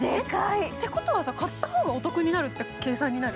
てことは、買った方がお得になるっていう計算になる？